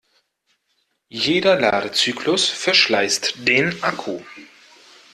Jeder Ladezyklus verschleißt den Akku.